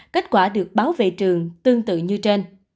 kết quả được báo về trường tương tự như trên